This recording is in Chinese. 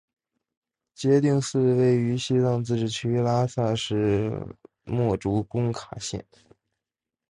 杰定寺位于西藏自治区拉萨市墨竹工卡县。